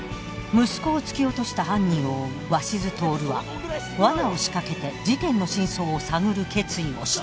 息子を突き落とした犯人を追う鷲津亨は罠を仕掛けて事件の真相を探る決意をした。